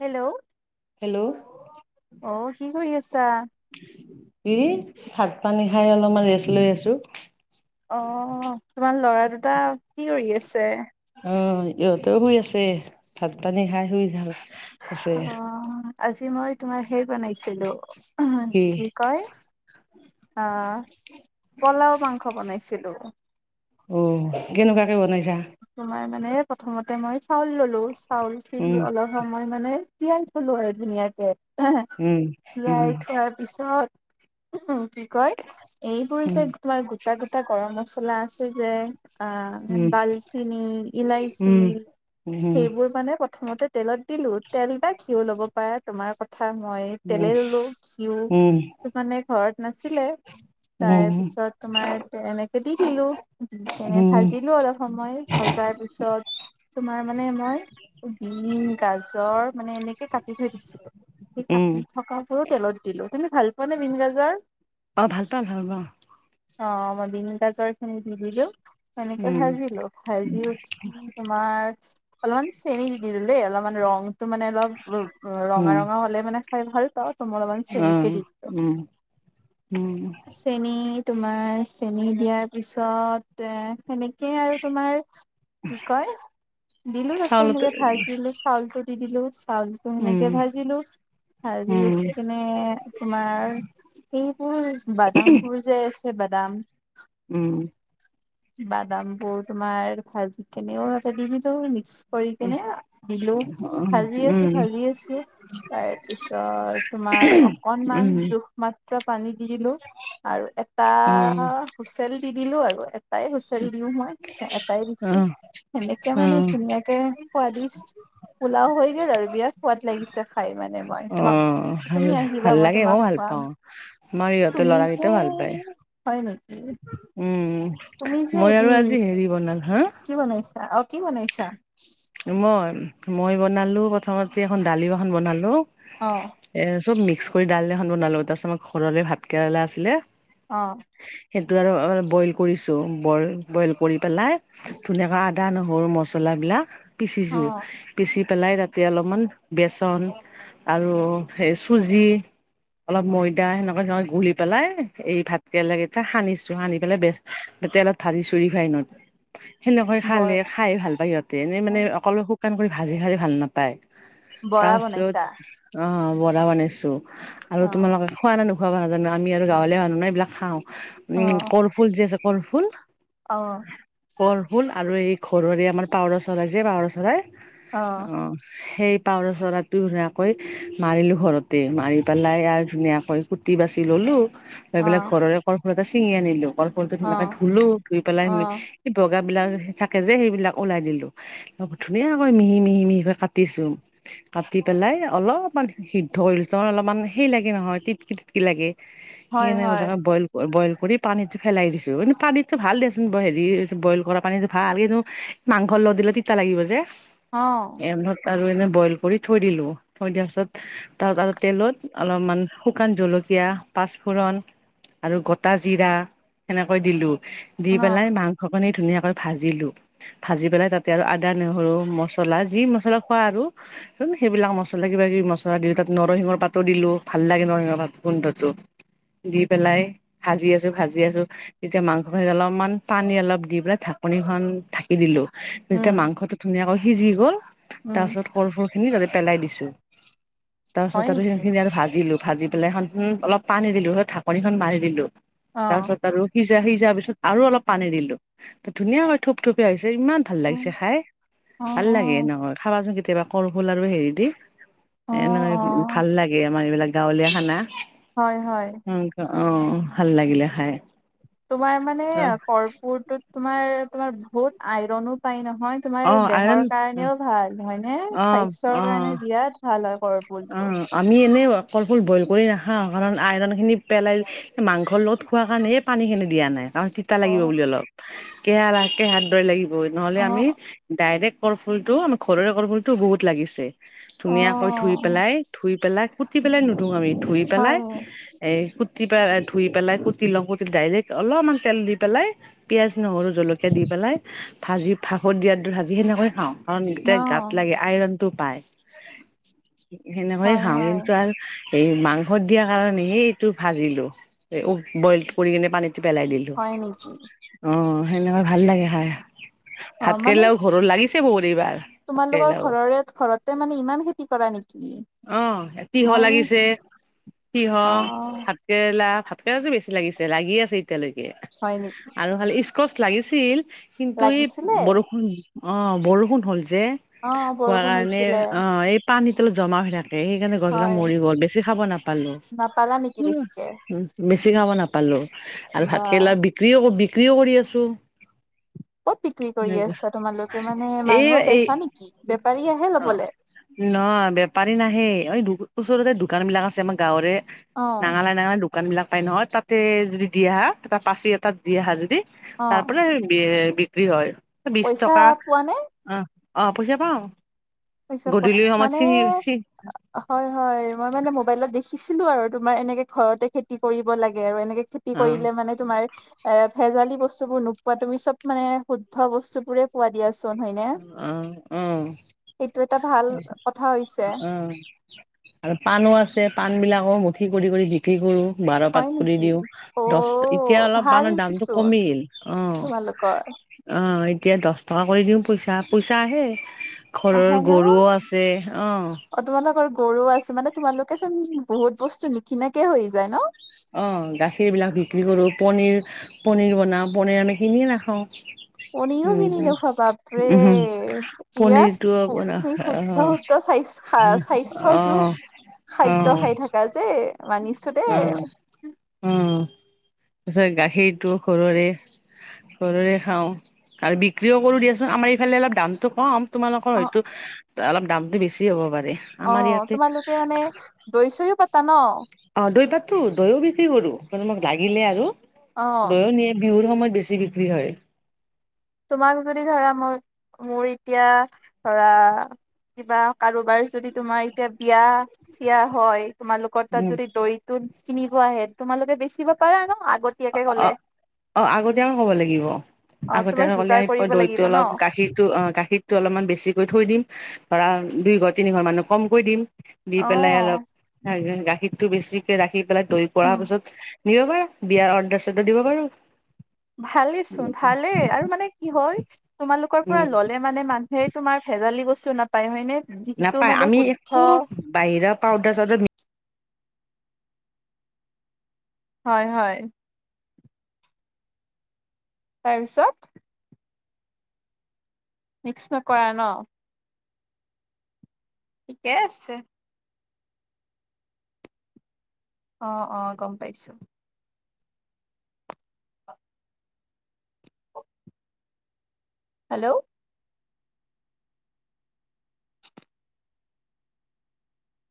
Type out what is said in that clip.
Hello! Hello! অ কি কৰি আছা? কি ভাত-পানী খাই অলপমান ৰেষ্ট লৈ আছোঁ। অঁ, তোমাৰ ল'ৰা দুটা কি কৰি আছে? উম, ইহঁতেও শুই আছে। ভাত-পানী খাই শুই গ'ল। অঁ, আজি মই তোমাৰ সেই বনাইছিলো কি কয়? অঁ, পলাও মাংস বনাইছিলোঁ। অ, কেনেকুৱাকে বনাইছা? তোমাৰ মানে, প্ৰথমতে মই চাউল ল'লো, উম চাউলখিনি অলপ সময় মানে তিয়াই থলো আৰু ধুনীয়াকে হেঁহ্ হেঁহ্ উম উম তিয়াই থোৱাৰ পিছত উম, কি কয়? এইবোৰ যে উম তোমাৰ গোট্ টা গোটা গৰম মছলা আছে যে আঁ ডাল চেনি, উম ইলাইচি উম সেইবোৰ মানে প্ৰথমতে তেলত দিলো। তেল বা ঘিঁউ ল'ব পাৰা তোমাৰ ক থা। মই উম তেলে ল'লো ঘিঁউ উম উম মানে ঘৰত নাছিলে। উম তাৰপিছত তোমাৰ এনেকে দি দিলো, দি কেনে উম ভাজিলো অলপ সময়। ভজাৰ পিছত তোমাৰ মানে, মই বিন, গাজৰ মানে এনেকে কাটি থৈ দিছিলোঁ। সেই উম কাটি থকাবোৰো তেলত দিলো। তুমি ভাল পোৱানে বিন, গাজৰ? অঁ, ভাল পাওঁ, ভাল পাওঁ। অঁ, মই বিন, গাজৰখিনি দি দিলো সেনেকে উম ভাজিলো। বাজি উঠি তোমাৰ, অলপমান চেনি দি দিলো দেই, অলপমান ৰংটো মানে অলপ উম, ওঁ ৰঙা উম ৰঙা হ'লে মানে খাই ভাল পাওঁ। ত ' মই অলপমান অ চেনিকে দি দিলোঁ। উম উম চেনি, তোমাৰ চেনি দিয়াৰ পিছত এ সেনেকে আৰু তোমাৰ কি কয়? দিলো তাতে চাউলতে সেনেকে ভাজি লৈছোঁ। চাউলটো দি দিলো, চাউলটো উম সেনেকে ভাজিলো। ভাজি উম উঠি কিনে মানে, তোমাৰ সেইবোৰ বাদামবোৰ যে আছে বাদাম উম। বাদামবোৰ তোমাৰ, ভাজিকিনেও তাতে দি দিলো মিক্স কৰি কেনে দিলোঁ। ভাজি আছো, উম ভাজি আছো তাৰপিছত তোমাৰ অকণমান উম জোখ মাত্ৰা পানী দি দিলোঁ। আৰু এটা উম হুইচেল দি দিলো আৰু। এটাই হুইচেল দিওঁ মই। এটাই অ অ দিছো সেনেকে মানে অ ধুনীয়া কে সোৱাদিছ পোলাও হৈ গেল আৰু বিৰাট সোৱাদ লাগিছে খাই। মানে মই অ ভাল তুমি আহিবা ভাল মই লাগে মইও তোমাক ভাল খুৱাম। পাওঁ আমাৰ ইহঁতৰ তুমি যে, ল'ৰাকেইটাও ভাল পায় হয় নেকি? উম, তুমি উম। যে মই আৰু এদিন আজি হেৰি বলালো, হাঁ কি বনাইছা? অ, কি বনাইছা? মই, মই বনালো প্ৰথমতে এখন দালি এখন বনালোঁ। অঁ। এ চব মিক্সকৰি দালি এখন বনালো তাৰপিছত আমাৰ ঘৰৰে ভাতকেৰেলা আছিলে। অঁ। সেইটো আৰু অলপ বইল কৰিছোঁ। বইল, বইল কৰি পেলাই ধুনীয়াকৈ আদা নহৰু মছলা বিলাক অ পিচিছো পিচি পেলাই তাতে অলপমান বেচন আৰু সেই চুজি অলপ ময়দা সেনেকুৱাকে গুলি পেলাই এই ভাতকেৰেলা কেইটা সানিছো সানি পেলাই বেচ তাতে অলপ ধালিছো ৰিফাইনত সেনেকৈ খালে বৰ খাই ভাল পায় সিহঁতে এনে মানে অকল শুকান কৰি ভাজি খালে ভাল নাপায় বৰা তাৰপিছত বনাইছা অ বৰা বনাইছো আৰু অ তোমালোকে খোৱা না নোখাৱা বা নাজানো আমি আৰু গাঁৱলীয়া মানুহ না এইবিলাক খাওঁ অ উম কলফুল যে আছে কলফুল অ কল ফুল আৰু এই ঘৰৰে আমাৰ পাৱৰ চৰাই যে পাৱৰ চৰাই অ সেই পাাৱৰা চৰাইটো ধুনীয়াকৈ মাৰিলো ঘৰতে মাৰি পেলাই আৰু ধুনীয়াকৈ কুটি বাচি ললো গৈ অ পেলাই ঘৰৰে কলফুল এটা ছিঙি আনিলো কলফুলটো অ ধুনীয়াকে ধুলো ধুই পেলাই অ সে বগা বিলাক থাকে যে সেইবিলাক ওলাই দিলো তাপা ধুনীয়াকৈ মিহি মিহি মিহিকৈ কাটিছো কাটি পেলাই অলপমান সিদ্ধ কৰি লৈছো অ অলমান সেই লাগে নহয় টটকি টতকি লাগে হয় সেইকাৰনে হয় গোটেইখন বইল বইল কৰি পানীটো ফেলাই দিছো কিন্তু পানীতো ভাল দিয়াচোন হেৰি বইল কৰা পানীটো ভাল এইটো মাংস লগত দিলে তিতা লাগিব যে অ এত আৰু এনে বইল কৰি থৈ দিলো থৈ দিয়াৰ পিছত তাৰ আৰু তেলত অলপমান শুকান জলকীয়া পাঁচফোৰণ আৰু গোটা জিৰা সেনেকৈ দিলো দি অ পেলাই মাংসখনি ধুনীয়াকৈ ভাজিলোঁ ভাজি পেলাই তাতে আৰু আদা নহৰু মছলা যি মছলা খোৱা আৰু চোন সেইবিলাক মছলা কিবা কিবি মছলা দিলো তাত নৰসিংহৰ পাতো দিলো ভাল লাগে নৰসিংহৰ পাত গোন্ধটো দি পেলাই ভাজি আছো ভাজি আছো তেতিয়া মাংসখিনি অলপমান পানী অলপ দি পেলাই ঢাকনিখন ঢাক দি দিলো যেতিয়া উম মাংসটো ধুনীয়াকৈ সিজি গ'ল উম তাৰপিছত কল ফুল খিনি তাতে পেলাই দিছো তাৰ পিছত হয় আৰু সেই নেকি খিনি আৰু ভাজিলো ভাজি পেলাই এখন হুম অলপ পানী দিলো তাছত ঢাকনিখন মাৰি দিলো অ তাৰ পিছত আৰু সিজা সিজা পিছত আৰু অলপ পানী দিলো ত ধুনীয়া কৈ থোপ থুপিয়া হৈছে ইমান ভাল অ অ লাগিছে খাই অ ভাল লাগে এনেকৈয় খাবাচোন কেতিয়াবা কলফুল আৰু হেৰি দি অ এনেকৈ অ ভাল লাগে আমাৰ এইবিলাক গাঁৱলীয়া খানা হয় হয় মো'ক অ ভাল লাগিলে খাই তোমাৰ মানে কৰ্পুৰটোত তোমাৰ তোমাৰ বহুত আইৰনো পাই ন নহয় তোমাৰ অ আইৰণ দেহৰ কাৰণেও ভাল হয়নে অ স্বাস্থ্যৰ অ কাৰণে বিৰাট ভাল হয় কৰ অ আমি এনে কলফুল বইল কৰি নাখাওঁ কাৰণ আইৰন খিনি পেলাই মাংস লগত খোৱাৰ কাৰণে এই পানী খিনি দিয়া নাই কাৰণ তিত তা অ লাগিব বুলি অলপ কেহা বা কেহাৰ দৰে লাগিব নহ'লে অ অ আমি ডাইৰেক্ট কলফুল টো আমাৰ ঘৰৰে কলফুল টো বহুত লাগিছে অ ধুনীয়াকৈ ধুই পেলাই ধু ধুই পেলাই কুতি পেলাই নুধু আমি ধুই পেলাই হয় এই কুটি পেলাই ধুই পেলাই কুটি লওঁ কুটি ডাইৰেক্ট অলপমান তেল দি পেলাই পিঁয়াজ নহৰু জলকীয়া দি পেলাই ভাজি ভাকৰ দিয়াৰ দৰে ভাজি সেনেকৈয়ে খাওঁ কাৰণ অ গিতাই গাত লাগে আইৰন টো পাই সেনেকৈয়ে হয় খাওঁ হয় কিন্তু আৰু এই মাংস দিয়াৰ কাৰণে হে এইটো ভাজিলো বইল কৰি কিনে পানীটো পেলাই দিলো হয় নেকি অ সেনেকুৱা ভাল লাগে খাই অ ভাত মানে কেৰেলাও ঘৰত লাগিছিল কি হল এইবাৰ ভাত তোমালোকৰ কেৰেলাও। ঘৰৰে-ঘৰতে মানে ইমান খেতি কৰা নেকি অ ইয়াত তিহ মই লাগিছে তিহ অ কেৰেলা ভাতকেৰেলাতো বেছি লাগিছে, লাগি আছে এতিয়ালৈকে হয় নেকি আৰু খালি স্কচ লাগিছিল কিন্তু এই লাগিছিলে বৰষুণ অঁ বৰষুণ হ'ল যে অ খোৱা বৰষুণ কাৰণে হৈছিলে অ এই পানীতলত জমা হৈ থাকে সেইকাৰণে গছবিলাক হয় মৰি গল বেছি খাব নাপালো, নাপালা নেকি বেছিকে বেছি খাব নাপ পালো আৰু বা ভাতকেৰেলা বিক্ৰীও-বিক্ৰীও কৰি আছো ক'ত বিক্ৰী কৰি আছা তোমালোকে মানে এই মানুহক বেছা নেকি, বেপাৰী আহে লবলে ন বেপাৰী নাহে এই ওচৰতে দোকান বিলাক আছে আমাৰ গাঁৱৰে অ নাঙলা, নাঙলা দোকান বিলাক পাই নহয় তাতে যদি দি আহা পাচি তাত দি অহা যদি অ তাৰ পৰাই বি-বিক্ৰী হয়। বিশ পইচা টকা পোৱা নে অ', অ', পইচা পাওঁ পইচা পোৱা গধূলি সময়ত মানে চিঙি [inaudible] হয়, হয়, মই মানে মোবাইলত দেখিছিলো আৰু তোমাৰ এনেকে ঘৰতে খেতি কৰিব লাগে আৰু এনেকে খে তি অ কৰিলে মানে তোমাৰ এ, ভেজালি বস্তুবোৰ নোপোৱা তুমি চব মানে শুদ্ধ বস্তুবোৰে পোৱা দিয়াচোন হয়নে। উম-উম এইটো এটা ভাল কথা হৈছে। উম আৰু পানো আছে পান বিলাকো মুঠি কৰি-কৰি দি কি কৰোঁ বাৰ পাত হয় কৰি নেকি? দিওঁ অ দহ, এতিয়া অলপ ভাল পানৰ দামটো চোন কমিল। অ তোমালোকৰ। অ, এতিয়া দহ টকা কৰি দিওঁ পইচা, পইচা আহে। আহে ঘৰৰ ন? গৰুও আছে অ'। অ, তোমালোকৰ গৰু আছে মানে তোমালোকেচোন বহুত বস্তু নিকিনাকে হৈ যায় ন। অ, গাখীৰ বিলাক বিক্ৰী কৰো, পনীৰ পনীৰ বনাও, পনীৰ আমি কিনিয়ে নাখাওঁ। পনীৰো উম কিনি নখুৱা বাপৰে উম হম বিৰাত পনিৰটো বনা তুমি অ শুদ্ধ, শুদ্ধ চাইছো স্বাস্থ্য অ যুগ অ খাদ্য খাই অ থকা যে মানি অ, উম, পিছত গাখীৰটো ঘৰৰে ঘৰৰে খাওঁ আৰু বিক্ৰীও কৰো দিয়াচোন আমাৰ এইফালে অলপ দামতটো কম। তোমালোকৰ অ হয়তো অলপ দামটো বেছি হ'ব পাৰে। অ, আমাৰ ইয়াতে তোমালোকে মানে দৈ, চৈও পাতা ন। অ, দৈ পাতো দৈও বিক্ৰী কৰোঁ, কিয় তোমাক লাগিলে আৰু। অ দৈয়ো নিয়ে, বিহুৰ সময়ত বেছি বিক্ৰী হয়। তোমাক যদি ধৰা, মই, মোৰ এতিয়া ধৰা কিবা কাৰোবাৰ যদি তোমাৰ এতিয়া বিয়া-চিয়া হয়। তোমালোকৰ তাত উম যদি দৈটো কিনিব আহে তোমালোকে বেচিব পাৰা ন, আগতীয়াকে অ ক'লে। অ, আগতীয়াক ক'ব লাগিব অ তোমাৰ আগতীয়াকে ক'লে যোগাৰ কৰিব দৈতটো লাগিব ন অলপ গাখীৰটো অ, গাখীৰ টো অলপমান বেছিকৈ থৈ দিম, ধৰা দুইঘৰ, তিনি ঘৰ মানুহক কমকৈ দিম। দি অ পেলাই অলপ গাখীৰটো বেছিকে ৰাখি পেলাই দৈ কৰা উম পিছত নিব পাৰা, বিয়াৰ অৰ্ডাৰ, চৰ্ডাৰ দিব পাৰো। ভালেই চোন, ভালেই আৰু মানে কি হয়, তোমালোকৰ পৰা উম ল'লে মানে মানুহে তোমাৰ ভেজালি বস্তু নাপায় হয়নে, যিটো মানে শুদ্ধ বাহিৰ পাউদাৰ চাউ হয়, হয়। তাৰপিছত মিক্স নকৰা ন। ঠিকে, আছে। অ', অ', গম পাইছো। হেল্ল'।